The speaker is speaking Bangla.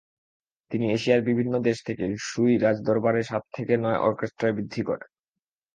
তিনি এশিয়ার বিভিন্ন দেশ থেকে সুই রাজদরবারে সাত থেকে নয় অর্কেস্ট্রায় বৃদ্ধি করেন।